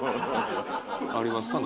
ありますか？